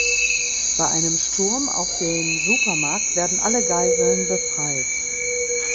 Bei einem Sturm auf den Supermarkt werden alle Geiseln befreit.